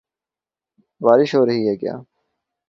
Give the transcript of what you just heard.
بارش ہو رہی ہے کیا؟